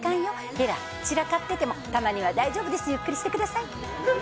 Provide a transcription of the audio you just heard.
部屋、散らかっててもたまには大丈夫です、ゆっくりしてください